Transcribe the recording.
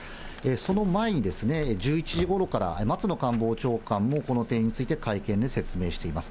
その前に、１１時ごろから松野官房長官もこの点について会見でも説明しています。